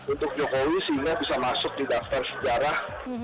untuk jokowi sehingga bisa masuk di daftar sejarah